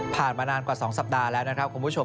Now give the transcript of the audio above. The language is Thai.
มานานกว่า๒สัปดาห์แล้วนะครับคุณผู้ชม